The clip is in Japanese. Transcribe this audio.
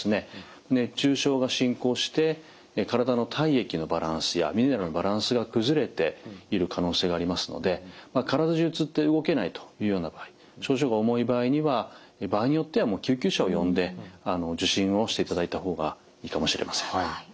熱中症が進行して体の体液のバランスやミネラルのバランスが崩れている可能性がありますので体中つって動けないというような場合症状が重い場合には場合によってはもう救急車を呼んで受診をしていただいた方がいいかもしれません。